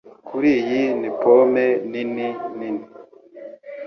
Kuri iyi ni pome nini nini